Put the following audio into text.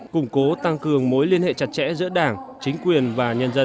củng cố tăng cường mối liên hệ chặt chẽ giữa đảng chính quyền và nhân dân